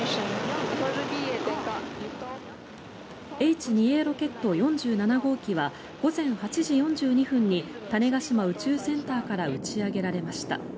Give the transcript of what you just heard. Ｈ２Ａロケット４７号機は午前８時４２分に種子島宇宙センターから打ち上げられました。